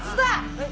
はい。